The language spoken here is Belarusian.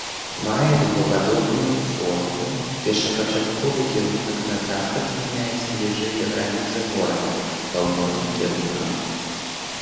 Мае дугападобную форму, першапачатковы кірунак на захад змяняцца бліжэй да граніцы горада паўднёвым кірункам.